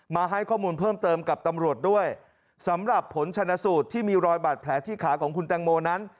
มาให้ข้อมูลเพิ่มเติมกับตำรวจด้วยสำหรับผลชนสูตรที่มีรอยบาดแผลที่ขาของคุณแตงโมนั้น